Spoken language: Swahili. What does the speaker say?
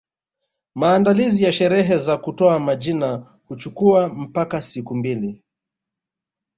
Maandalizi ya sherehe za kutoa majina huchukua mpaka siku mbili